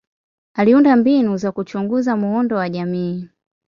Aliunda mbinu za kuchunguza muundo wa jamii.